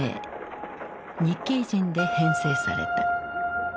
日系人で編制された。